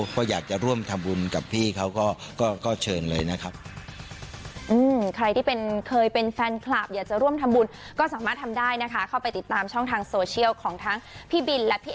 ก็อยากจะร่วมทำบุญกับพี่เขาก็เชิญเลยนะครับ